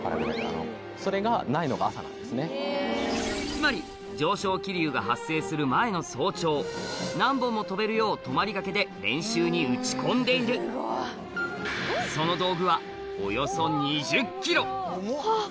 つまり上昇気流が発生する前の早朝何本も飛べるよう泊まりがけで練習に打ち込んでいるその道具はおよそ２０ｋｇあ！